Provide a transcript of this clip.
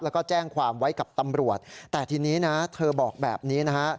แล้วก็แจ้งความไว้กับตำรวจแต่ทีนี้นะเธอบอกแบบนี้นะฮะ